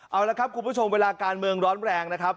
เอาละครับคุณผู้ชมเวลาการเมืองร้อนแรงนะครับ